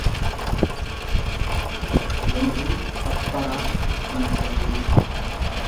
Lomituu Abbaraa Amasgahuu